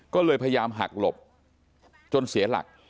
ก็เลยพยายามหักหลบจนเสียหลัก